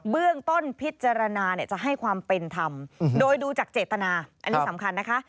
เบื้องต้นพิจารณาจะให้ความเป็นธรรมโดยดูจากเจตนาอันนี้สำคัญนะคะ